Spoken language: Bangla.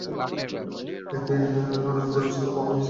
এতে করে নবী করীম সাল্লাল্লাহু আলাইহি ওয়াসাল্লাম-এর শক্তি সাহস বেড়ে গেল।